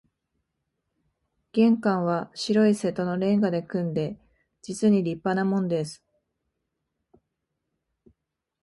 玄関は白い瀬戸の煉瓦で組んで、実に立派なもんです